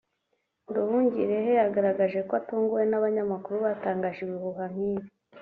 Nduhungirehe yagaragaje ko atunguwe n’abanyamakuru batangaje ibihuha nk’ibi